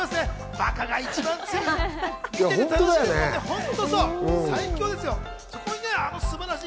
バカが一番強い。